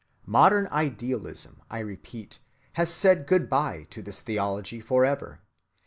Modern idealism, I repeat, has said good‐by to this theology forever.